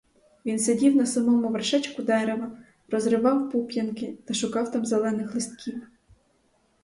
Він сидів на самому вершечку дерева, розривав пуп'янки та шукав там зелених листків.